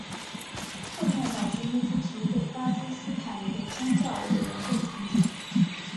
会面导致穆夫提被巴基斯坦一个宗教委员会停职。